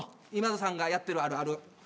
今田さんがやってるあるある。